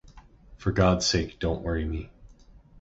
For God's sake don't worry me.